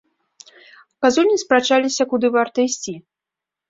Казулін спрачаліся, куды варта ісці.